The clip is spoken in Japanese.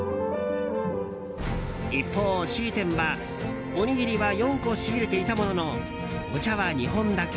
一方Ｃ店は、おにぎりは４個仕入れていたもののお茶は２本だけ。